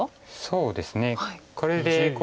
そうですねこれでこう。